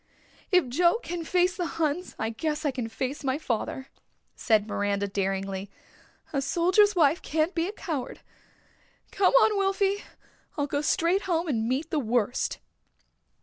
If Joe can face the Huns I guess I can face father," said Miranda daringly. "A soldier's wife can't be a coward. Come on, Wilfy. I'll go straight home and meet the worst."